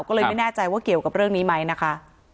ก็เลยไม่แน่ใจว่าเกี่ยวกับเรื่องนี้ไหมนะคะ